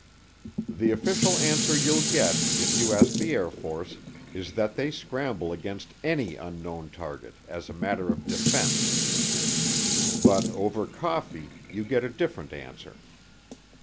The official answer you'll get, if you ask the Air Force, is that they scramble against any unknown target as a matter of defense. But over coffee you get a different answer.